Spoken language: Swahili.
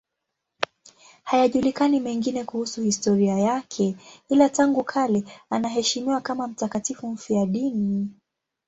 Hayajulikani mengine kuhusu historia yake, ila tangu kale anaheshimiwa kama mtakatifu mfiadini.